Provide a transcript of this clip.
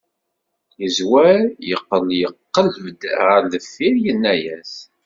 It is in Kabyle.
Yezwar, yeqqel iqleb-d ɣer deffir, yenna-yas.